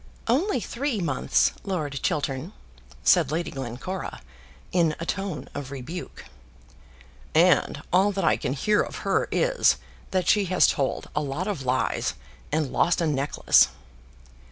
"Only three months, Lord Chiltern," said Lady Glencora, in a tone of rebuke. "And all that I can hear of her is, that she has told a lot of lies and lost a necklace."